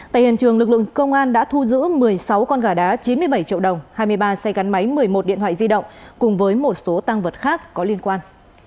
tại hiện trường lực lượng công an đã thu giữ một mươi sáu con gà đá chín mươi bảy triệu đồng hai mươi ba xe gắn máy một mươi một điện thoại di động cùng với một số tăng vật khác có liên quan